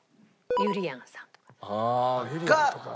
ゆりやんさんとか。